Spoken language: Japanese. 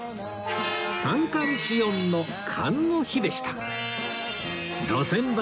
三寒四温の「寒」の日でした